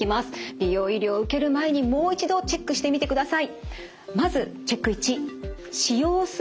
美容医療を受ける前にもう一度チェックしてみてください。